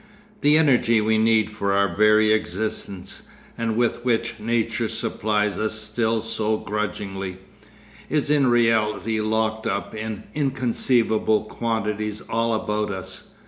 The energy we need for our very existence, and with which Nature supplies us still so grudgingly, is in reality locked up in inconceivable quantities all about us.